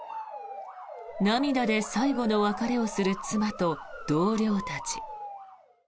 涙で最後の別れをする妻と同僚たち。